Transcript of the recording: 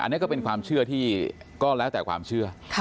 อันนี้ก็เป็นความเชื่อที่ก็แล้วแต่ความเชื่อ